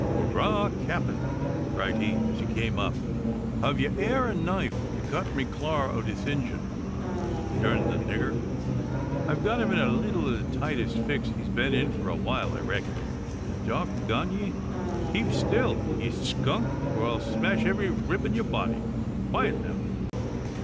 "Hooraw, capt'n!" cried he, as he came up. "Hev you e'er a knife to cut me clar o' this Indjun? Durn the niggur! I've got him in a leetle o' the tightest fix he's been in for a while, I reck'n. Dog gone ye! keep still, ye skunk, or I'll smash every rib in yur body! Quiet now!"